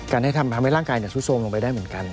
ทำให้ร่างกายซุดโทรมลงไปได้เหมือนกัน